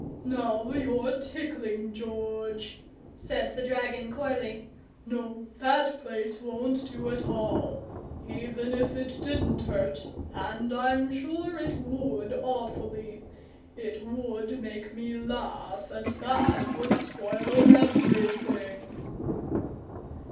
"Now you're tickling, George," said the dragon, coyly. "No, that place won't do at all. Even if it didn't hurt, and I'm sure it would, awfully, it would make me laugh, and that would spoil everything."